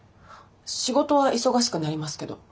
仕事は忙しくなりますけど。